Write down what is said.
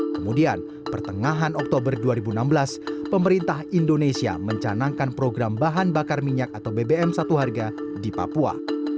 kemudian pertengahan oktober dua ribu enam belas pemerintah indonesia mencanangkan program bahan bakar minyak atau bbm satu harga di papua